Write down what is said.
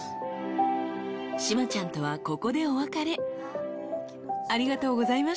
［島ちゃんとはここでお別れ］